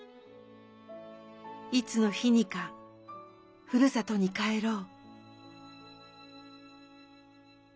いつの日にかふるさとに帰ろう」。